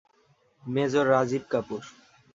Major Rajib Kapoor.